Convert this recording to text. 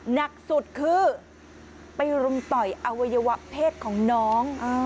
หนักสุดคือไปรุมต่อยอวัยวะเพศของน้อง